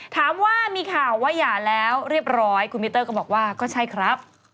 ถามว่ามีข่าวว่าหย่าแล้วเรียบร้อยคุณมิเตอร์ก็บอกว่าก็ใช่ครับ